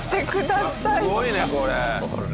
すごいねこれ。